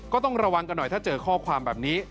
ก็ต้องระวังกันหน่อยถ้าเจอข้อความแบบนี้